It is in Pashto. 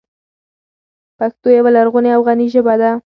پښتو یوه لرغونې او غني ژبه ده.